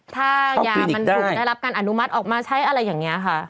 ถ้ายามันถูกได้รับการอนุมัติออกมาใช้อะไรอย่างนี้ค่ะ